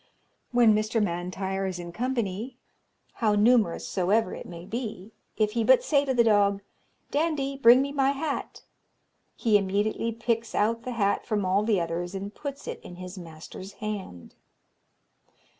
"When Mr. M'Intyre is in company, how numerous soever it may be, if he but say to the dog, 'Dandie, bring me my hat,' he immediately picks out the hat from all the others, and puts it in his master's hand.